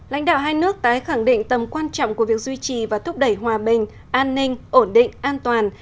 lãnh đạo hai nước tái khẳng định tầm quan trọng của việc duy trì và thúc đẩy hòa bình an ninh ổn định an toàn